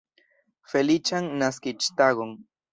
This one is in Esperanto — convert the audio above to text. Feliĉan naskiĝtagon!